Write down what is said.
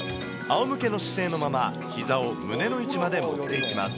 あおむけの姿勢のまま、ひざを胸の位置まで持っていきます。